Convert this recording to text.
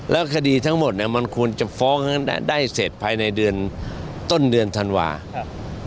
แล้วคดีทั้งหมดมันควรจะฟ้องได้เสร็จภายในต้นเดือนธันวาค์